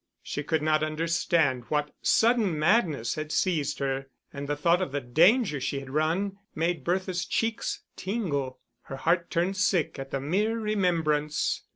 She could not understand what sudden madness had seized her, and the thought of the danger she had run, made Bertha's cheeks tingle. Her heart turned sick at the mere remembrance.